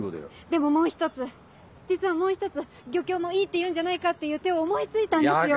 でももう一つ実はもう一つ漁協もいいって言うんじゃないかっていう手を思い付いたんですよ。